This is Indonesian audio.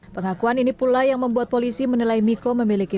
pengakuan ini pula yang membuat polisi menilai miko memiliki